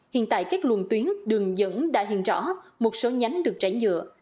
hiện tại các luồng tuyến đường dẫn đã hiện rõ một số nhánh được trải nhựa